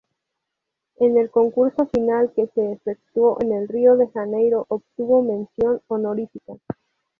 En el concurso final que se efectuó en Río de Janeiro, obtuvo mención honorífica.